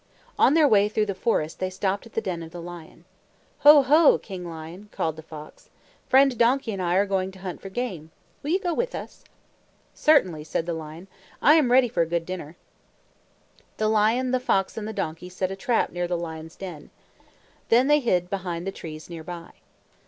On their way through the forest, they stopped at the den of the lion. "Ho, ho, King Lion!" called the fox. "Friend Donkey and I are going to hunt for game. Will you go with us?" "Certainly," said the lion. "I am ready for a good dinner." The lion, the fox, and the donkey set a trap near the lion's den. Then they hid behind the trees near by.